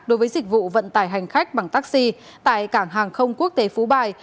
đối với dịch vụ vận tải hành khách bằng taxi tại cảng hàng không quốc tế phú bài